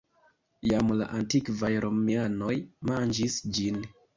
Jam la antikvaj romianoj manĝis ĝin.